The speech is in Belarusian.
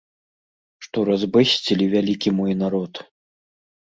Што разбэсцілі вялікі мой народ.